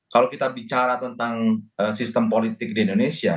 kalau kita bicara tentang sistem politik di indonesia